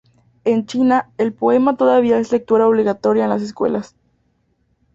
En China, el poema todavía es lectura obligatoria en las escuelas.